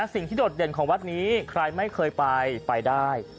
โดดเด่นของวัดนี้ใครไม่เคยไปไปได้